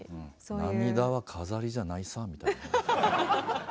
「涙は飾りじゃないさぁ」みたいな。